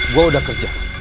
gue udah kerja